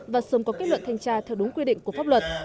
và sớm có kết luận thanh tra theo đúng quy định của pháp luật